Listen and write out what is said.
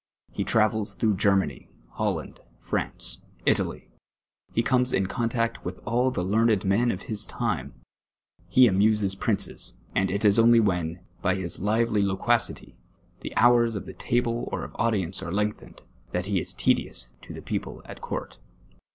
He travels throu«^h Germany, Ilolland, France, Italy ; he comes in contact with all the learned men of his time ; he amuses princes, and it is only when, by his lively loquacity, the hours of the table or of audience are lenp^thened, that he is tedious to the people at court.